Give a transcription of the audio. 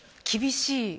厳しい？